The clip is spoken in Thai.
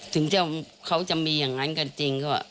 เขาจะมีอย่างนั้นกันจริงก็